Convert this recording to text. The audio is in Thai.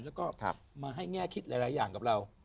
แล้วก็มาให้แง่คิดหลายอย่างกับเรา